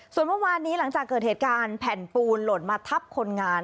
ส่วนเมื่อวานนี้หลังจากเกิดเหตุการณ์แผ่นปูนหล่นมาทับคนงาน